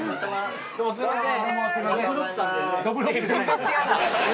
どうもすいません。